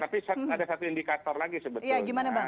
tapi ada satu indikator lagi sebetulnya